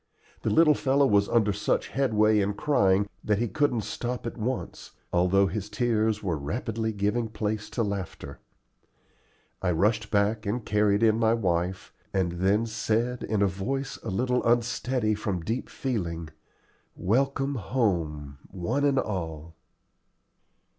The little fellow was under such headway in crying that he couldn't stop at once, although his tears were rapidly giving place to laughter. I rushed back and carried in my wife, and then said, in a voice a little unsteady from deep feeling, "Welcome home, one and all."